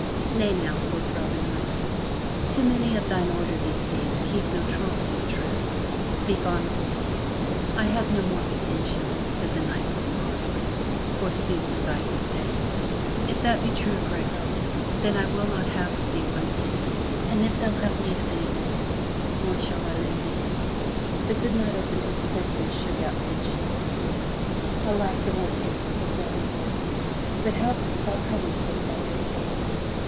"Nay now," quoth Robin Hood, "too many of thine order these days keep no troth with Truth.. Speak honestly/* "I have no more but ten shillings,*' said the Knight full sor rowfully, "for sooth as I you say! " If that be true,*' cried Robin, " then I will not have of thee one penny. And if thou have need of any more, more shall I lend thee.*' The good Knight opened his purse and shook out ten shillings. "Alack! the more pity,*' quoth Robin Hood. "But how didst thou come in so sorry a case?